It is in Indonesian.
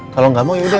kalau gak mau yaudah